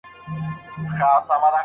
د تیزس لیکل د لارښود استاد کار نه دی.